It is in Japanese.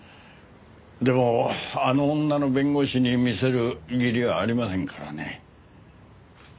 でもあの女の弁護士に見せる義理はありませんからね。